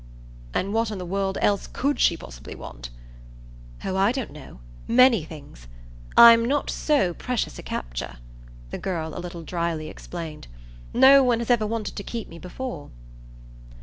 "And what in the world else COULD she possibly want?" "Oh I don't know many things. I'm not so precious a capture," the girl a little dryly explained. "No one has ever wanted to keep me before."